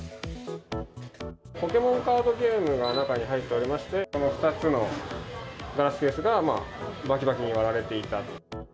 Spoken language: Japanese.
ポケモンカードゲームが中に入っておりまして、この２つのガラスケースがばきばきに割られていたと。